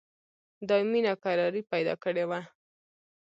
دایمي ناکراري پیدا کړې وه.